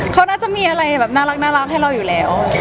เขาน่าจะมีอะไรแบบน่ารักให้เราอยู่แล้ว